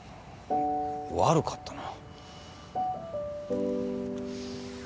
悪かったな。